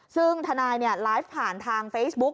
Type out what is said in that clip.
ซึ่งทนายไลฟ์ผ่านทางเฟซบุ๊ก